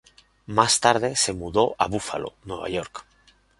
Más tarde se mudó a Buffalo, Nueva York.